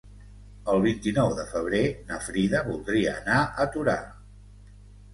El vint-i-nou de febrer na Frida voldria anar a Torà.